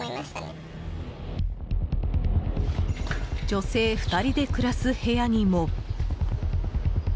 女性２人で暮らす部屋にも。